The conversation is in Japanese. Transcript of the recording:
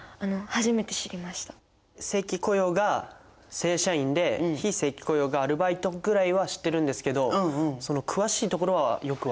正規雇用が正社員で非正規雇用がアルバイトぐらいは知ってるんですけどその詳しいところはよく分からないですね。